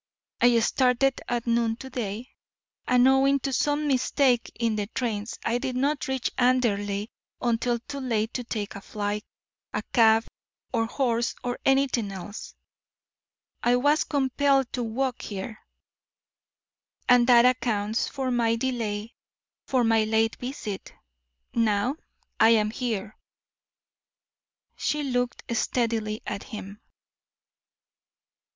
I started at noon to day, and, owing to some mistake in the trains, did not reach Anderley until too late to take a fly, a cab, or horse, or anything else. I was compelled to walk here, and that accounts for my delay, for my late visit. Now I am here." She looked steadily at him.